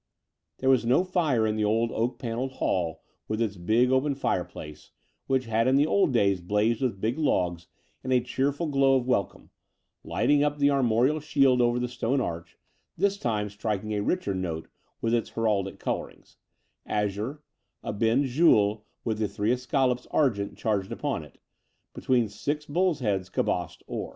There was no fire in the old oak panelled hall with its big open fireplace, which had in the old days blazed with big logs and a cheerful glow of welcome, lighting up the armorial shield over the stone arch, this time striking a richer note with its heraldic colourings — azure, a bend gules with the three escallops argent charged upon it, between six bulls' heads cabossed or.